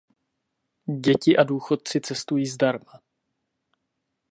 Děti a důchodci cestují zdarma.